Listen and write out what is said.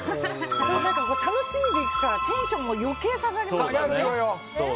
楽しみで行くからテンションも余計下がりますよね。